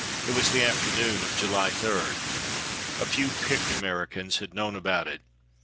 It was the afternoon of July 3. A few picked Americans had known about it.